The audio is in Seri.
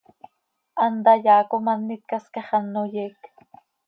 Hant hayaa com an itcascax, ano yeec.